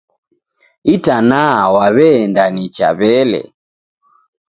Itanaa waw'eenda nicha wele.